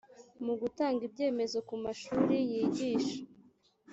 mu gutanga ibyemezo ku mashuri yigisha